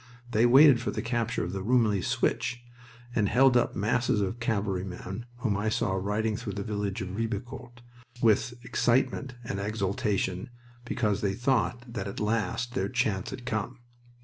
They waited for the capture of the Rumilly switch, and held up masses of cavalry whom I saw riding through the village of Ribecourt, with excitement and exaltation, because they thought that at last their chance had come.